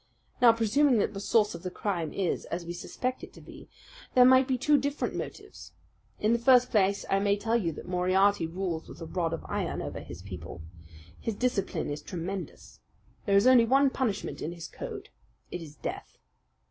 Now, presuming that the source of the crime is as we suspect it to be, there might be two different motives. In the first place, I may tell you that Moriarty rules with a rod of iron over his people. His discipline is tremendous. There is only one punishment in his code. It is death.